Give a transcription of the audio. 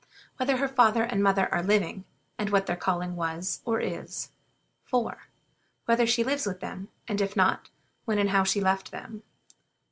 Whether her father and mother are living, and what their calling was or is? 4. Whether she lives with them, and if not, when and how she left them?